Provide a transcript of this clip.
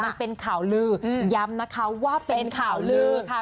มันเป็นข่าวลือย้ำนะคะว่าเป็นข่าวลือค่ะ